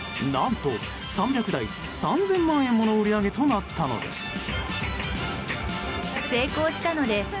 何と３００台、３０００万円もの売り上げとなったのです。